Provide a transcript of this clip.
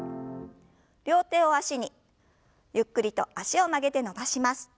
両手を脚にゆっくりと脚を曲げて伸ばします。